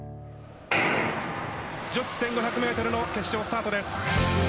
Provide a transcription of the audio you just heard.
女子１５００メートルの決勝、スタートです。